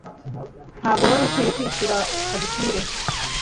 Ntabwo wari ukwiye kwishyura fagitire